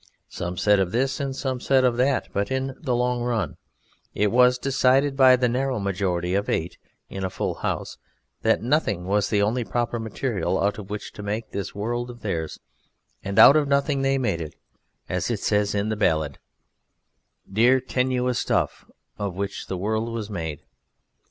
Some said of this, and some said of that, but in the long run it was decided by the narrow majority of eight in a full house that Nothing was the only proper material out of which to make this World of theirs, and out of Nothing they made it: as it says in the Ballade: Dear, tenuous stuff, of which the world was made.